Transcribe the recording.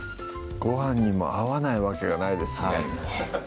ごはんにも合わないわけがないですね